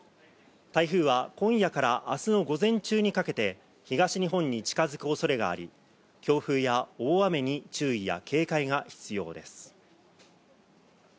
台風は今夜から明日の午前中にかけて東日本に近づく恐れがあり、強風や大雨に注意や警戒が必要です。